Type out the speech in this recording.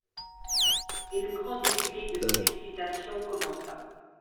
Et le grand défilé de félicitations commença.